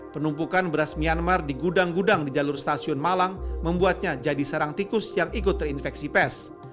penumpukan beras myanmar di gudang gudang di jalur stasiun malang membuatnya jadi sarang tikus yang ikut terinfeksi pes